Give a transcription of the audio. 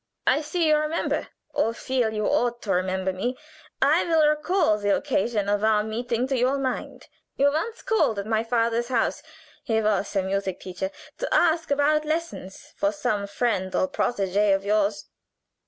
I see you remember, or feel you ought to remember me. I will recall the occasion of our meeting to your mind. You once called at my father's house he was a music teacher to ask about lessons for some friend or protégée of yours.